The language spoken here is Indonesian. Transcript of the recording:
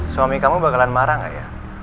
suami kamu bakalan marah nggak ya